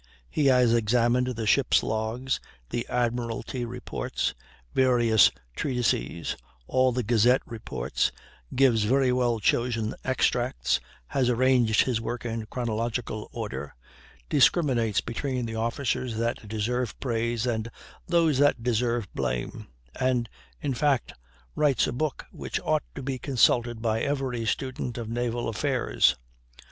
He has examined the ships' logs, the Admiralty reports, various treatises, all the Gazette reports, gives very well chosen extracts, has arranged his work in chronological order, discriminates between the officers that deserve praise and those that deserve blame, and in fact writes a work which ought to be consulted by every student of naval affairs.